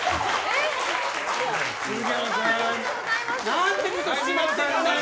何てことしちまってるんだよ！